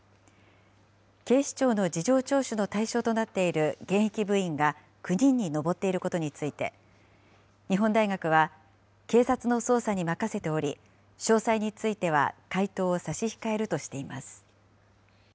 警視庁の事情聴取の対象となっている現役部員が９人に上っていることについて、日本大学は、警察の捜査に任せており、詳細については回答を差し控えるとしています。